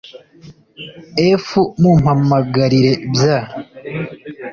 f mumpamagarire bya